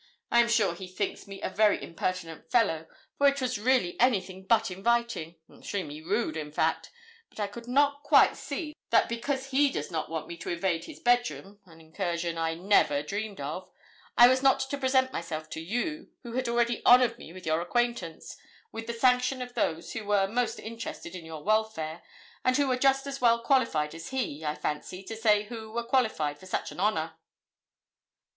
I am sure he thinks me a very impertinent fellow, for it was really anything but inviting extremely rude, in fact. But I could not quite see that because he does not want me to invade his bed room an incursion I never dreamed of I was not to present myself to you, who had already honoured me with your acquaintance, with the sanction of those who were most interested in your welfare, and who were just as well qualified as he, I fancy, to say who were qualified for such an honour.'